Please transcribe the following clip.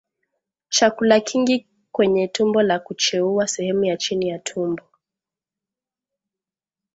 Chakula kingi kwenye tumbo la kucheua sehemu ya chini ya tumbo